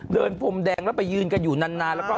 พรมแดงแล้วไปยืนกันอยู่นานแล้วก็